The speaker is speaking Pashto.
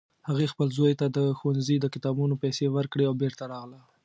هغې خپل زوی ته د ښوونځي د کتابونو پیسې ورکړې او بیرته راغله